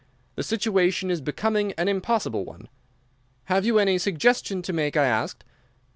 The situation is becoming an impossible one.' "'Have you any suggestion to make?' I asked.